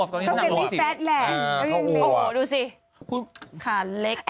ดูสิขาเล็กนะ